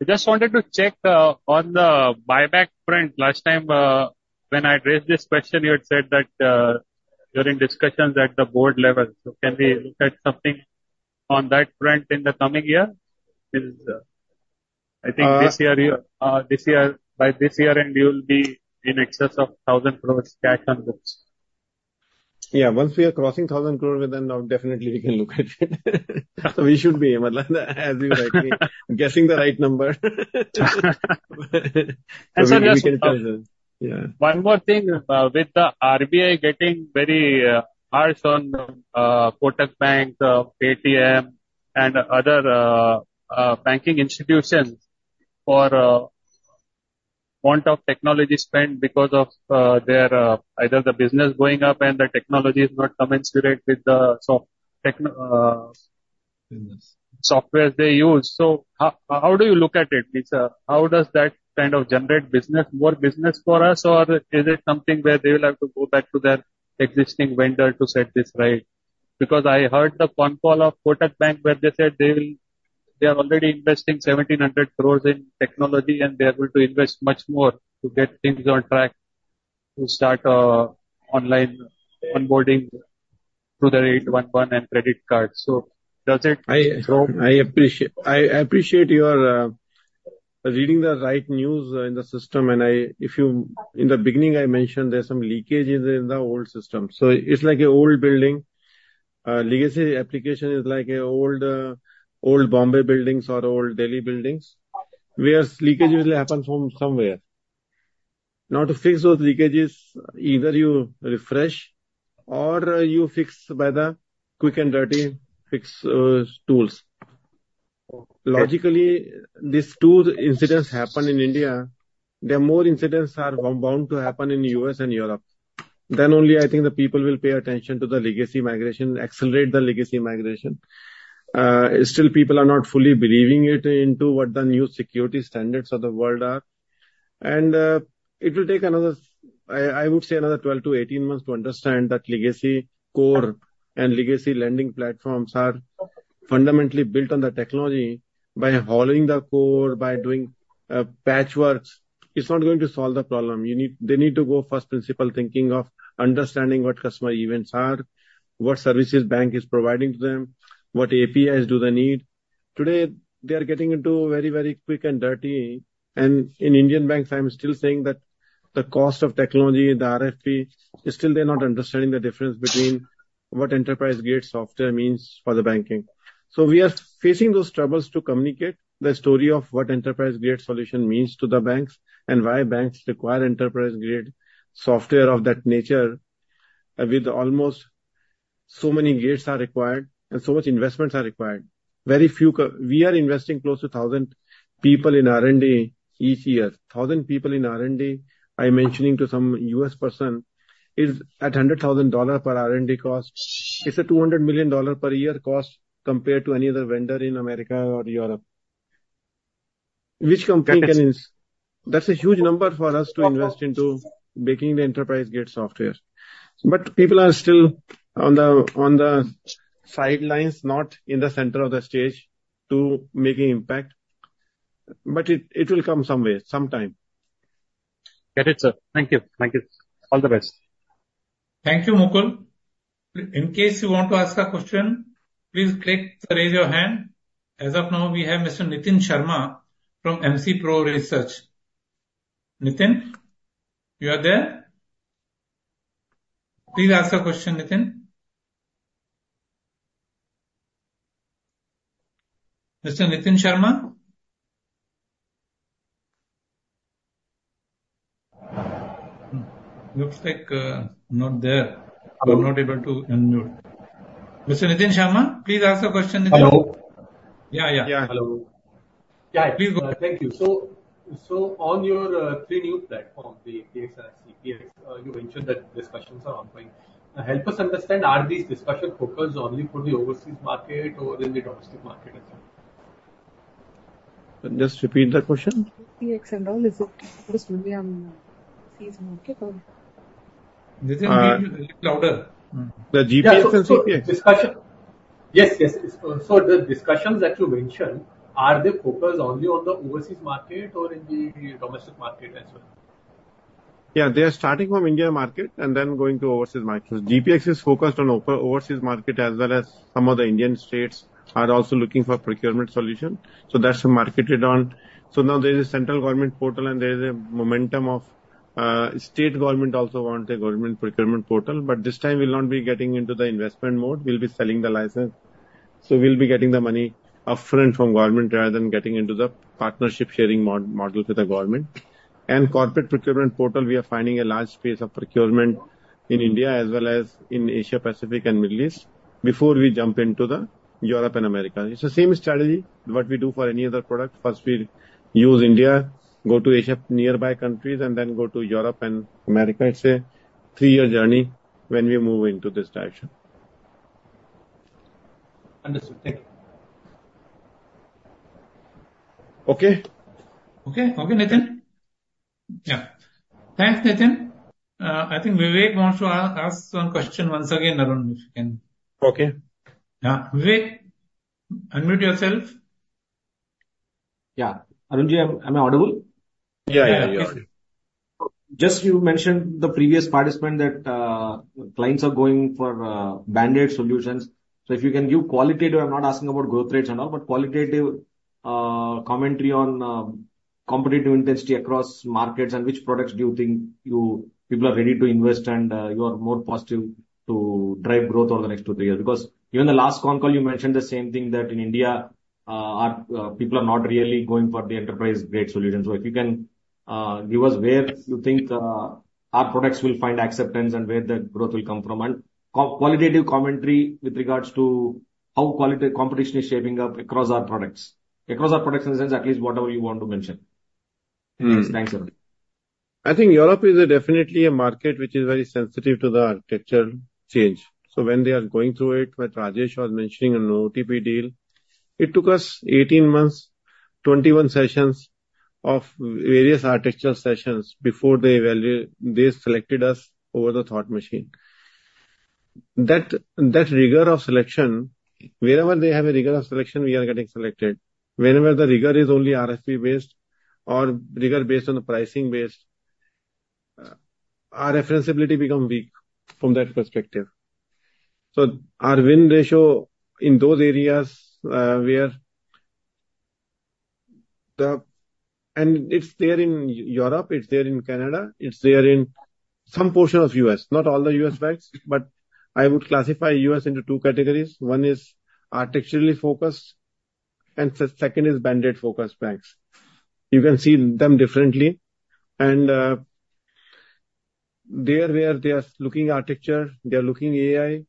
I just wanted to check on the buyback front. Last time when I raised this question, you had said that you're in discussions at the board level. So can we look at something on that front in the coming year? I think this year, by this year, you'll be in excess of 1,000 crores cash on books. Yeah. Once we are crossing 1,000 crore, then definitely we can look at it. So we should be, as you're right, guessing the right number. Sir, just one more thing. With the RBI getting very harsh on Kotak Bank, Paytm, and other banking institutions for amount of technology spent because of either the business going up and the technology is not commensurate with the software they use. How do you look at it, sir? How does that kind of generate more business for us, or is it something where they will have to go back to their existing vendor to set this right? Because I heard the phone call of Kotak Bank where they said they are already investing 1,700 crores in technology, and they are going to invest much more to get things on track to start online onboarding through their 811 and credit cards. Does it? I appreciate your reading the right news in the system. In the beginning, I mentioned there's some leakage in the old system. It's like an old building. Legacy application is like old Bombay buildings or old Delhi buildings, where leakages happen from somewhere. Now, to fix those leakages, either you refresh or you fix by the quick and dirty fix tools. Logically, these two incidents happen in India. The more incidents are bound to happen in the US and Europe. Then only, I think the people will pay attention to the legacy migration, accelerate the legacy migration. Still, people are not fully believing it into what the new security standards of the world are. It will take another, I would say, another 12 to 18 months to understand that legacy core and legacy lending platforms are fundamentally built on the technology by hollowing the core, by doing patchworks. It's not going to solve the problem. They need to go first principle thinking of understanding what customer events are, what services the bank is providing to them, what APIs do they need. Today, they are getting into very quick and dirty. In Indian banks, I'm still saying that the cost of technology, the RFP, still they're not understanding the difference between what enterprise-grade software means for the banking. So we are facing those troubles to communicate the story of what enterprise-grade solution means to the banks and why banks require enterprise-grade software of that nature with almost so many gates required and so much investment required. We are investing close to 1,000 people in R&D each year. 1,000 people in R&D, I'm mentioning to some US person, is at $100,000 per R&D cost. It's a $200 million per year cost compared to any other vendor in America or Europe. Which company can? That's a huge number for us to invest into making the enterprise-grade software. But people are still on the sidelines, not in the center of the stage to make an impact. But it will come somewhere, sometime. Got it, sir. Thank you. Thank you. All the best. Thank you, Mukul. In case you want to ask a question, please click to raise your hand. As of now, we have Mr. Nitin Sharma from MC Pro Research. Nitin, you are there? Please ask a question, Nitin. Mr. Nitin Sharma? Looks like not there. I'm not able to unmute. Mr. Nitin Sharma, please ask a question, Nitin. Hello. Yeah, yeah. Yeah. Hello. Yeah, please go. Thank you. So on your three new platforms, the CPX and APX, you mentioned that discussions are ongoing. Help us understand, are these discussions focused only for the overseas market or in the domestic market as well? Just repeat the question. PX and all, is it just only on the overseas market or? Nitin, louder. The GPP and CPP? Yes, yes. So the discussions that you mentioned, are they focused only on the overseas market or in the domestic market as well? Yeah, they are starting from India market and then going to overseas markets. GPP is focused on overseas market as well as some of the Indian states are also looking for procurement solutions. So that's marketed on. Now there is a central government portal, and there is a momentum of state government also wanting a government procurement portal. But this time, we'll not be getting into the investment mode. We'll be selling the license. So we'll be getting the money upfront from government rather than getting into the partnership-sharing model with the government. And corporate procurement portal, we are finding a large space of procurement in India as well as in Asia-Pacific and Middle East before we jump into Europe and America. It's the same strategy what we do for any other product. First, we use India, go to Asia's nearby countries, and then go to Europe and America. It's a three-year journey when we move into this direction. Understood. Thank you. Okay. Okay? Okay, Nitin? Yeah. Thanks, Nitin. I think Vivek wants to ask some questions once again, Arun, if you can. Okay. Yeah. Vivek, unmute yourself. Yeah. Arun Jain, am I audible? Yeah, yeah, yeah. You mentioned the previous participant that clients are going for Band-Aid solutions. So if you can give qualitative, I'm not asking about growth rates and all, but qualitative commentary on competitive intensity across markets and which products do you think people are ready to invest in and you are more positive to drive growth over the next two or three years? Because even the last phone call, you mentioned the same thing that in India, people are not really going for the enterprise-grade solutions. So if you can give us where you think our products will find acceptance and where the growth will come from and qualitative commentary with regards to how competition is shaping up across our products. Across our products in the sense, at least whatever you want to mention. Thanks, Arun. I think Europe is definitely a market which is very sensitive to the architecture change. So when they are going through it, what Rajesh was mentioning, an OTP deal, it took us 18 months, 21 sessions of various architectural sessions before they selected us over the Thought Machine. That rigor of selection, wherever they have a rigor of selection, we are getting selected. Whenever the rigor is only RFP-based or rigor based on the pricing-based, our reference ability becomes weak from that perspective. So our win ratio in those areas where the and it's there in Europe. It's there in Canada. It's there in some portion of the U.S. Not all the U.S. banks, but I would classify the U.S. into two categories. One is architecturally focused, and the second is Band-Aid-focused banks. You can see them differently. And there where they are looking at architecture, they are looking at AI.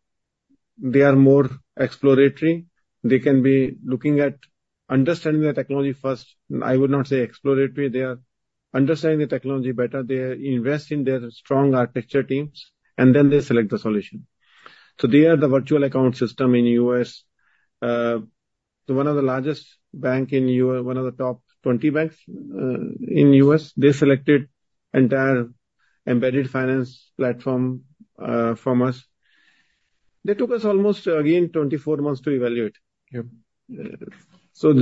They are more exploratory. They can be looking at understanding the technology first. I would not say exploratory. They are understanding the technology better. They invest in their strong architecture teams, and then they select the solution. So they are the virtual account system in the U.S. So one of the largest banks in the U.S., one of the top 20 banks in the U.S., they selected an entire embedded finance platform from us. They took us almost, again, 24 months to evaluate. So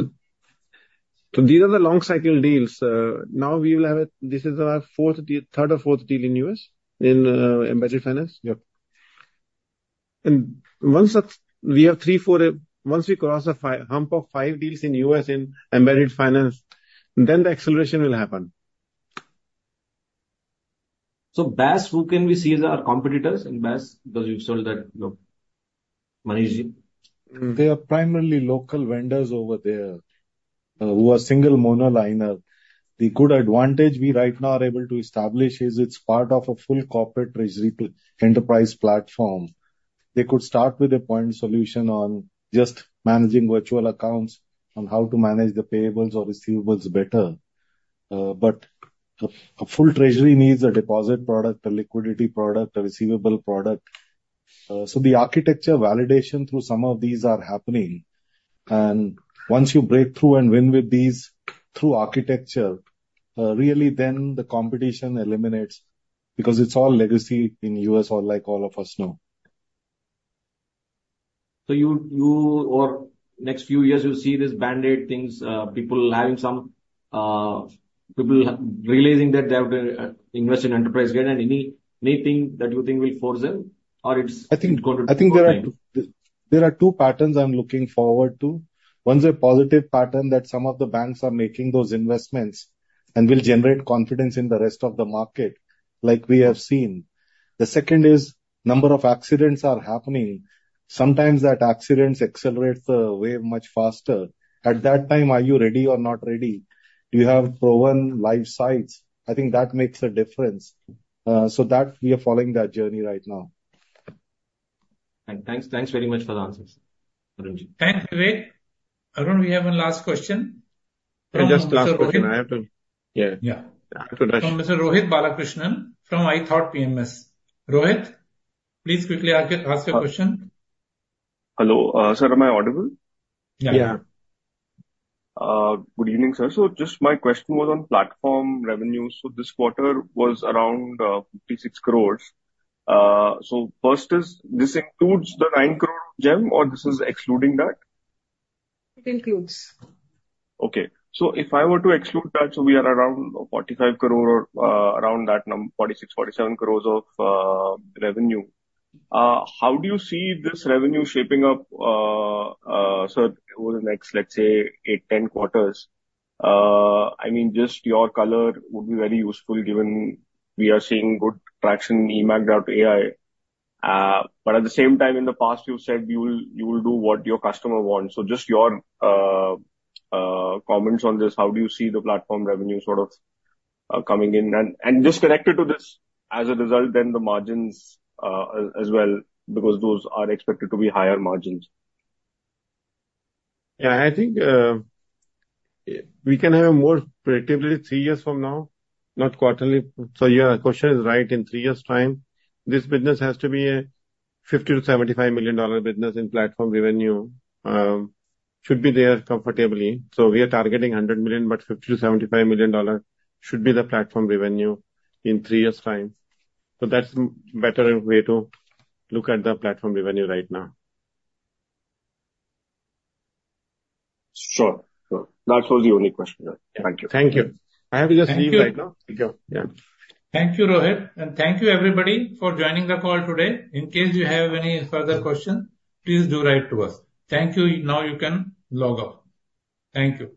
these are the long-cycle deals. Now, we will have a this is our third or fourth deal in the U.S. in embedded finance. Once we have three, four once we cross the hump of five deals in the US in embedded finance, then the acceleration will happen. BaaS, who can we see as our competitors in BaaS? Because you've said that, Manish ji? They are primarily local vendors over there who are single monoline. The good advantage we right now are able to establish is it's part of a full corporate treasury enterprise platform. They could start with a point solution on just managing virtual accounts, on how to manage the payables or receivables better. But a full treasury needs a deposit product, a liquidity product, a receivable product. So the architecture validation through some of these is happening. Once you break through and win with these through architecture, really, then the competition eliminates because it's all legacy in the U.S., like all of us know. Over the next few years, you'll see these Band-Aid things, people having some people realizing that they have to invest in enterprise grade. And anything that you think will force them, or it's going to? I think there are two patterns I'm looking forward to. One's a positive pattern that some of the banks are making those investments and will generate confidence in the rest of the market like we have seen. The second is the number of accidents is happening. Sometimes that accident accelerates the wave much faster. At that time, are you ready or not ready? Do you have proven live sites? I think that makes a difference. We are following that journey right now. Thanks very much for the answers, Arun ji. Thanks, Vivek. Arun, we have one last question from Mr. Rohit. I just lost a question. I have to. Yeah. Yeah. I have to rush. From Mr. Rohit Balakrishnan from ithought PMS. Rohit, please quickly ask your question. Hello. Sir, am I audible? Yeah. Good evening, sir. My question was on platform revenues. This quarter was around 56 crores. First, does this include the 9 crore GEM, or is this excluding that? It includes. Okay. So if I were to exclude that, so we are around 45 crore or around that number, 46, 47 crores of revenue. How do you see this revenue shaping up, sir, over the next, let's say, 8, 10 quarters? I mean, just your color would be very useful given we are seeing good traction in eMACH.ai. But at the same time, in the past, you said you will do what your customer wants. Just your comments on this, how do you see the platform revenue sort of coming in? And just connected to this, as a result, then the margins as well because those are expected to be higher margins. Yeah. I think we can have more predictability three years from now, not quarterly. The question is right. In three years' time, this business has to be a $50-$75 million business in platform revenue. Should be there comfortably. So we are targeting $100 million, but $50-$75 million should be the platform revenue in three years' time. That's a better way to look at the platform revenue right now. Sure. That was the only question. Thank you. I have to just leave right now. Thank you. Thank you, Rohit. Thank you, everybody, for joining the call today. In case you have any further questions, please do write to us. Thank you. Now you can log off. Thank you.